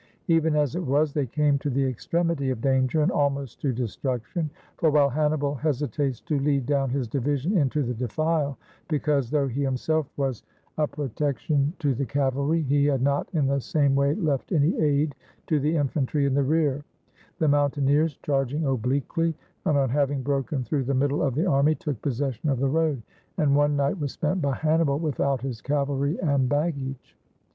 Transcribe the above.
Even as it was they came to the extremity of danger, and almost to destruction: for while Hannibal hesitates to lead down his division into the defile, because, though he himself was a protec 344 HOW HANNIBAL MADE HIS WAY TO ITALY tion to the cavalry, he had not in the same way left any aid to the infantry in the rear; the mountaineers, charg ing obliquely, and on having broken through the middle of the army, took possession of the road; and one night was spent by Hannibal without his cavalry and baggage.